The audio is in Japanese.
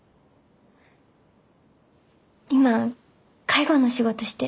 今介護の仕事してる。